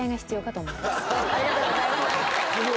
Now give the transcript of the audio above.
ありがとうございます。